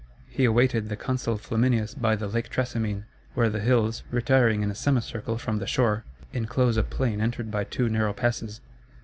He awaited the consul Flaminius by the Lake Trasimene, where the hills, retiring in a semicircle from the shore, inclose a plain entered by two narrow passes.